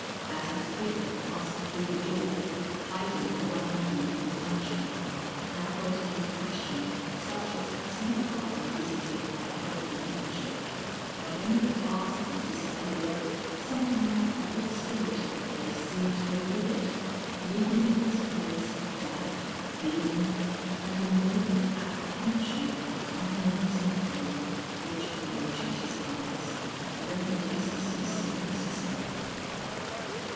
As his figure passed through the door, hiding for one moment the sunshine, I felt an oppression such as has not often visited my healthy nature, and when it passed and disappeared, something like the good spirit of the place seemed to go with it, leaving in its place doubt, gloom, and a morbid apprehension of that unknown something which in Lucetta's eyes had rendered his dismissal necessary.